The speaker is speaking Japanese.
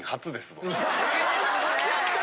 やった！